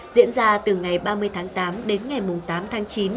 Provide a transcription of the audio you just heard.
diễn ra từ ngày ba mươi tháng tám đến ngày tám tháng chín